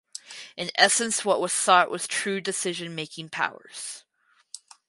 In essence what was sought was true decision making powers.